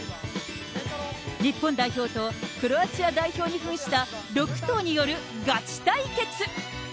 日本代表とクロアチア代表にふんした６頭によるガチ対決。